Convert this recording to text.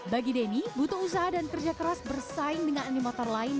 bagi denny butuh usaha dan kerja keras bersaing dengan animotor lain